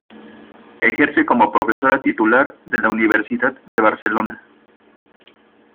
Ejerce como profesora titular de la Universidad de Barcelona.